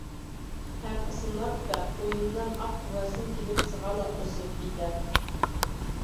Һәм, ысынлап та, ҡуйынынан аҡ күгәрсен килеп сыға ла, осоп китә.